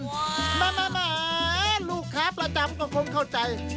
แม่ลูกค้าประจำก็คงเข้าใจ